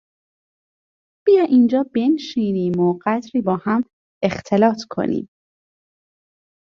بیا اینجا بنشینیم و قدری با هم اختلاط کنیم.